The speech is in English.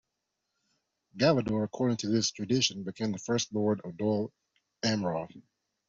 Galador, according to this tradition, became the first Lord of Dol Amroth.